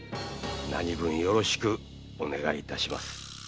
何分よろしくお願い致します。